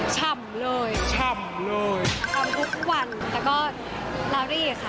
ฉ่ำเลยฉ่ำเลยทำทุกวันแต่ก็ลารี่ค่ะ